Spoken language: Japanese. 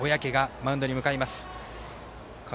小宅がマウンドに向かいます。